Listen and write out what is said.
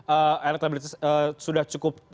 elektabilitas sudah cukup